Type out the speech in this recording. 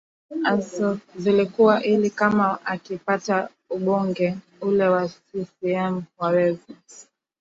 azo zilikuwa ili kama akipata ubunge ule wa ccm waweze